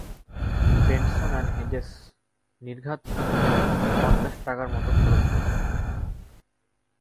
Benson and Hedges, নির্ঘাৎ পঞ্চাশ টাকার মতো খরচ হয়েছে।